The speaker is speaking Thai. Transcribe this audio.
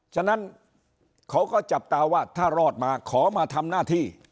ฉะนั้นเขาก็จับตาว่าถ้ารอดมาขอมาทำหน้าที่